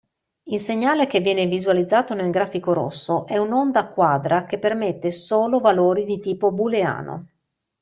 Il segnale che viene visualizzato nel grafico rosso è un'onda quadra che permette solo valori di tipo booleano.